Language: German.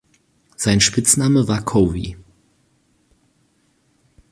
Sein Spitzname war "Covey".